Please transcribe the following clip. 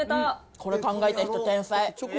これ考えた人天才。